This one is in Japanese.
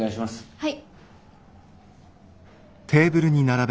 はい。